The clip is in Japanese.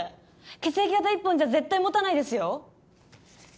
血液型一本じゃ絶対もたないですよ。